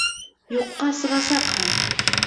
Юҡҡа сығасаҡһың!..